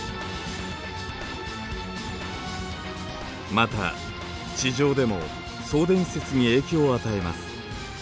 また地上でも送電施設に影響を与えます。